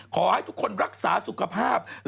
ขอให้ทุกคนรักษาสุขภาพ